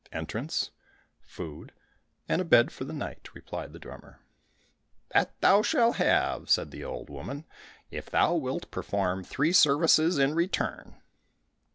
"Entrance, food, and a bed for the night," replied the drummer. "That thou shalt have," said the old woman, "if thou wilt perform three services in return."